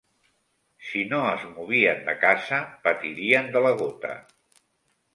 Si no es movien de casa patirien de la gota